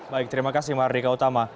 baik terima kasih mardika utama